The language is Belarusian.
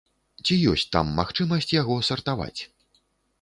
Ці ёсць там магчымасць яго сартаваць?